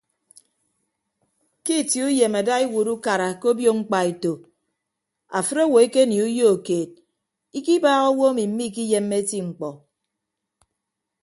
Ke itie uyem ada iwuot ukara ke obio mkpaeto afịt owo ekenie uyo keed ikibaaha owo emi miikiyemme eti mkpọ.